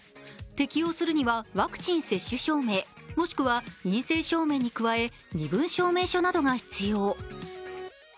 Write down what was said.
適用するにはワクチン接種証明、もしくは陰性証明に加え身分証明書などが必要。